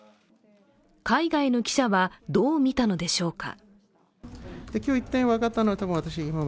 海外の記者は、どう見たのでしょうか。